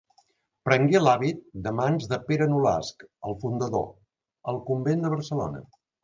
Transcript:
Prengué l'hàbit de mans de Pere Nolasc, el fundador, al convent de Barcelona.